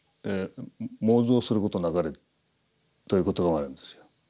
「妄想すること莫れ」という言葉があるんですよ。